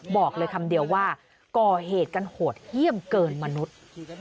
บอกเลยคำเดียวว่าก่อเหตุกันโหดเยี่ยมเกินมนุษย์